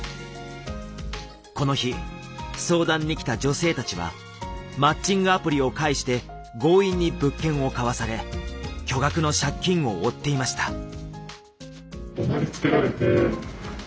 この日相談に来た女性たちはマッチングアプリを介して強引に物件を買わされ巨額の借金を負っていました。